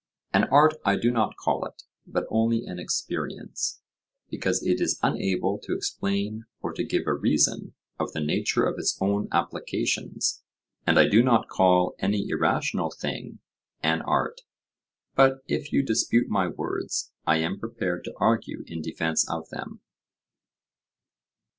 An art I do not call it, but only an experience, because it is unable to explain or to give a reason of the nature of its own applications. And I do not call any irrational thing an art; but if you dispute my words, I am prepared to argue in defence of them.